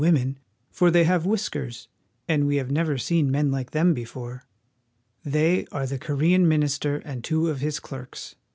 women, for they have whiskers, and we have never seen men like them before. They are the Korean minister and two of his clerks.